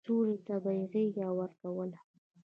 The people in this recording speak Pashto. سولې ته به يې غېږه ورکوله.